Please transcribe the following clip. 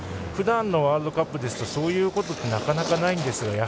ふだんのワールドカップだとそういうことってなかなかないんです。